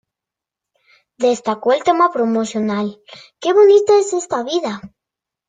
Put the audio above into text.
Destacó el tema promocional "Que bonita es esta vida".